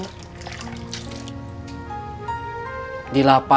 kamu gak tau kan